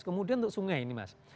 kemudian untuk sungai ini mas